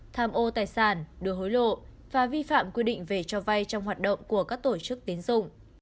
tham ô tài sản đưa hối lộ và vi phạm quy định về cho vay trong hoạt động của các tổ chức tiến dụng